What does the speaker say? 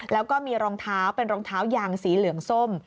แล้วก็มีรองเท้าเป็นรองเท้ายางสีเหลืองส้ม